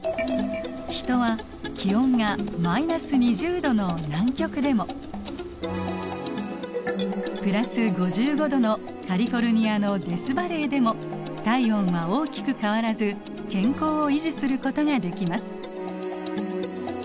ヒトは気温が−２０℃の南極でも＋５５℃のカリフォルニアのデスバレーでも体温は大きく変わらず健康を維持することができます。